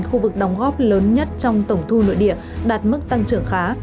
khu vực đóng góp lớn nhất trong tổng thu nội địa đạt mức tăng trưởng khá